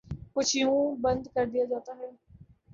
کچھ یوں بند کردیا جاتا ہے